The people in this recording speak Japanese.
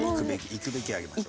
「“行くべき”やりましょう」。